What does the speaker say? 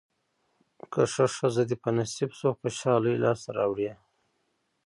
که ښه ښځه دې په نصیب شوه خوشالۍ لاسته راوړې.